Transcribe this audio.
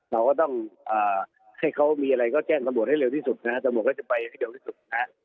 เราก็ต้องให้เขามีอะไรก็แจ้งตำรวจให้เร็วที่สุดนะฮะตำรวจก็จะไปให้เร็วที่สุดนะฮะ